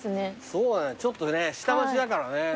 そうだよねちょっとね下町だからね。